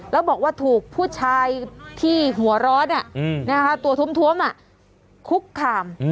แล้วบอกว่าถูกผู้ชายที่หัวร้อนตัวท้วมคุกคาม